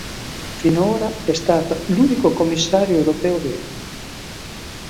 Finora è stata l'unico commissario europeo verde.